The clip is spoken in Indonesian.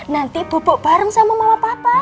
nanti bubuk bareng sama mama papa